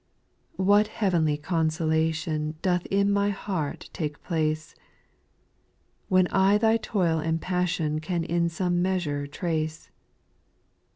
3. What heavenly consolation Doth in my heart take place, When I Thy toil and passion Can in some measure trace.